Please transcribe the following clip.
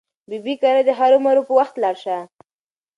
ببۍ کره دې هرو مرو په وخت لاړه شه.